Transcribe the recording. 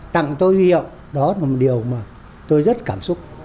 tặng tôi huy hiệu đó là một điều mà tôi rất cảm xúc